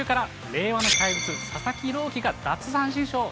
令和の怪物、佐々木朗希が奪三振ショー。